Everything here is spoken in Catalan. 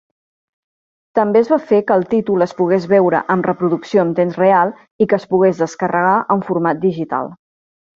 També es va fer que el títol es pogués veure amb reproducció en temps real i que es pogués descarregar en format digital.